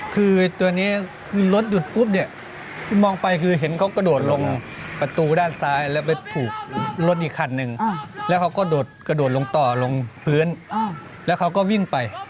คือตัวนี้คือรถหยุดปุ๊บเนี่ยมองไปคือเห็นเขากระโดดลงประตูด้านซ้ายแล้วไปถูกรถอีกคันนึงแล้วเขาก็โดดกระโดดลงต่อลงพื้นแล้วเขาก็วิ่งไป